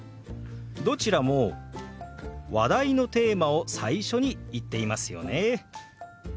どちらも話題のテーマを最初に言っていますよね。